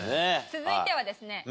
続いてはですね。